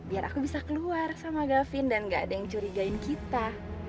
biar aku bisa keluar sama gavin dan gak ada yang curigain kita